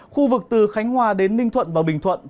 khu vực từ khánh hòa đến ninh thuận và bình thuận